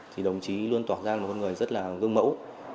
thì đồng chí luôn tỏa ra là một con người rất gương mẫu